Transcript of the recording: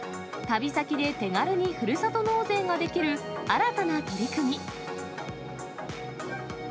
旅先で手軽にふるさと納税ができる新たな取り組み。